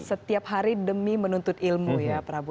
setiap hari demi menuntut ilmu ya prabu